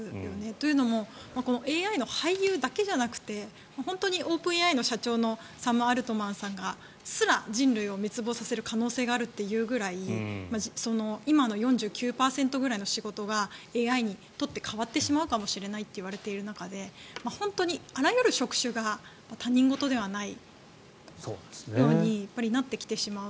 というのもＡＩの俳優だけじゃなくて本当にオープンＡＩの社長さんですら人類を滅亡させる可能性があるというぐらい人間の３５％ぐらいの仕事はＡＩに取って代わられてしまうかもしれないといわれている中であらゆる職種が他人事ではないようになってきてしまう。